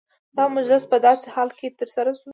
دا مجلس په داسي حال کي ترسره سو،